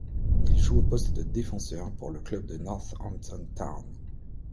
Il joue au poste de défenseur pour le club de Northampton Town.